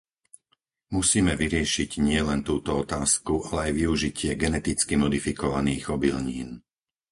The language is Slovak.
Musíme vyriešiť nielen túto otázku, ale aj využitie geneticky modifikovaných obilnín.